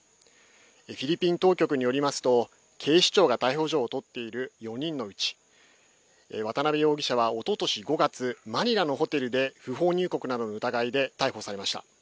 フィリピン当局によりますと警視庁が逮捕状を取っている４人のうち渡邉容疑者は、おととし５月マニラのホテルで不法入国などの疑いで逮捕されました。